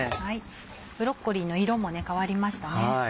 ブロッコリーの色も変わりましたね。